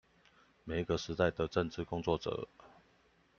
每一個時代的政治工作者